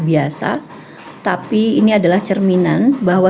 biasa tapi ini adalah cerminan bahwa